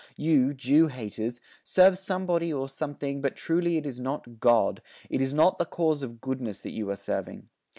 You, Jew haters, serve somebody or something, but truly it is not God, it is not the cause of goodness that you are serving.